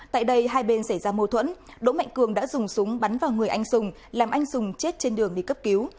tại đây hai bên xảy ra mâu thuẫn đỗ mạnh cường đã dùng súng bắn vào người anh sùng làm anh dùng chết trên đường đi cấp cứu